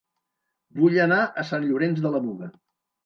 Vull anar a Sant Llorenç de la Muga